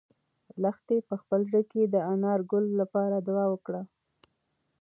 لښتې په خپل زړه کې د انارګل لپاره دعا وکړه.